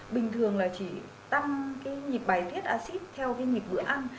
bình thường là chỉ tăng nhịp bài thiết axit theo nhịp bữa ăn